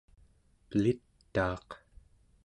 pelit'aaq